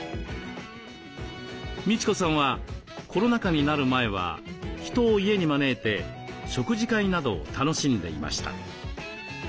みち子さんはコロナ禍になる前は人を家に招いて食事会などを楽しんでいました。